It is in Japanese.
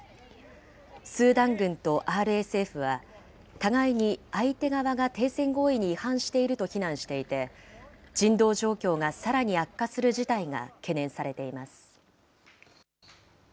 スーダン軍とＲＳＦは、互いに相手側が停戦合意に違反していると非難していて、人道状況がさらに悪化する事態が懸念されています。